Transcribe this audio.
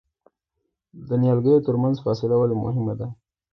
د نیالګیو ترمنځ فاصله ولې مهمه ده؟